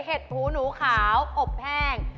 เห็ดหูหนูขาวอบแห้ง